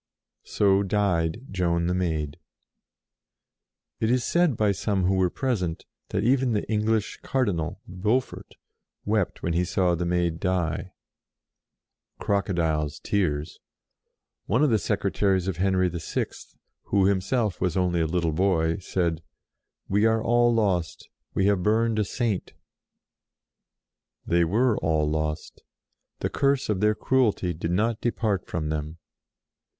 So died Joan the Maid. It is said by some who were present, that even the English Cardinal, Beaufort, wept when he saw the Maid die :" croco diles' tears !" One of the secretaries of Henry VI. (who himself was only a little boy) said, "We are all lost We have burned a Saint !" They were all lost. The curse of their cruelty did not depart from them.